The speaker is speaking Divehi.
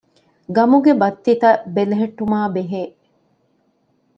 ގަމުގެ މަގުބައްތިތައް ބެލެހެއްޓުމާ ބެހޭ